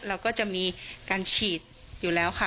เราก็จะมีการฉีดอยู่แล้วค่ะ